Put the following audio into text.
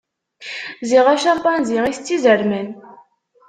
Ziɣ acampanzi itett izerman.